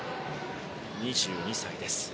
２２歳です。